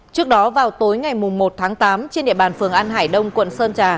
trước đó vào tối ngày một tháng tám trên địa bàn phường an hải đông quận sơn trà